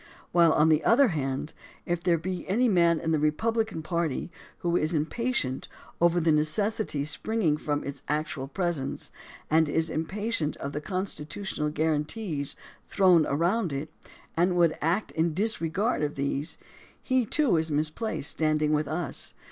While, on the other hand, if there be any man in the Republican party who is impatient over the necessity spring ing from its actual presence, and is impatient of the constitu tional guarantees thrown around it, and would act in disregard of these, he too is misplaced, standing with us.